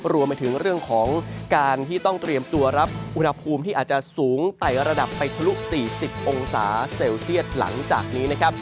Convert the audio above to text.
รวมไปถึงเรื่องของการที่ต้องเตรียมตัวรับอุณหภูมิที่อาจจะสูงไต่ระดับไปทะลุ๔๐องศาเซลเซียตหลังจากนี้นะครับ